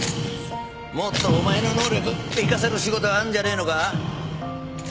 もっとお前の能力生かせる仕事あんじゃねえのか？